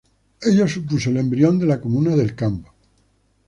Ello supuso el embrión de la Comuna del Camp.